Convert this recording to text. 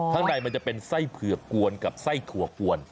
ข้างในมันจะเป็นไส้เผือกกวนกับไส้ถั่วกวน